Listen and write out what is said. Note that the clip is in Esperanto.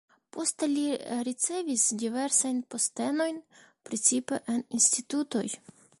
Poste li ricevis diversajn postenojn, precipe en institutoj.